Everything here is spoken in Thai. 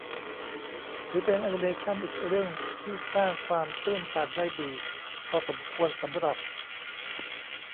ถือเป็นแอนิเมชั่นอีกเรื่องที่สร้างความตื้นตันได้ดีพอสมควรสำหรับ